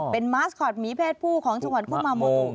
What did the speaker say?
เป็นมาสคอตหมีเพศผู้ของชาวนฮุมาโมโต